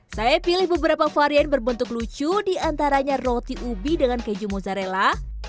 saya pilih beberapa varian berbentuk lucu diantaranya roti ubi dengan keju mozzarella